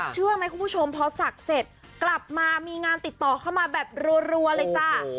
เชื่อไหมคุณผู้ชมพอศักดิ์เสร็จกลับมามีงานติดต่อเข้ามาแบบรัวเลยจ้า